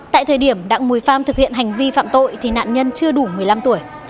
tại thời điểm đặng mùi phan thực hiện hành vi phạm tội thì nạn nhân chưa đủ một mươi năm tuổi